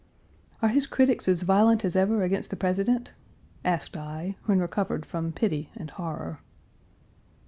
"Are his critics as violent as ever against the President?" asked I when recovered from pity and horror.